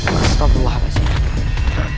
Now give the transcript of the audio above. masya allah masyarakat